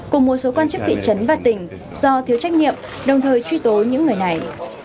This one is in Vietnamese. cùng một số quan chức thị trấn và tỉnh do thiếu trách nhiệm đồng thời truy tố những người này